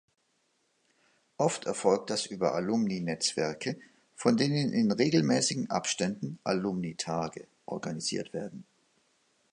Oft erfolgt das über Alumni-Netzwerke, von denen in regelmäßigen Abständen "Alumni-Tage" organisiert werden.